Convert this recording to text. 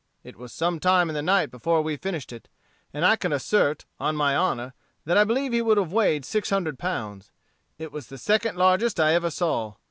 It was some time in the night before we finished it. And I can assert, on my honor, that I believe he would have weighed six hundred pounds. It was the second largest I ever saw.